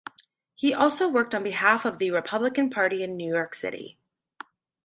He also worked on behalf of the Republican Party in New York City.